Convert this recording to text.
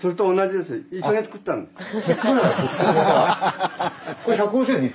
一緒に作ったんです。